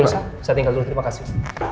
bu ilsa saya tinggal dulu terima kasih